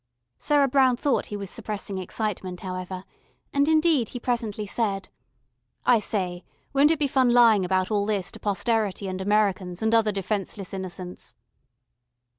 Sarah Brown thought he was suppressing excitement, however, and indeed he presently said: "I say, won't it be fun lying about all this to posterity and Americans, and other defenceless innocents."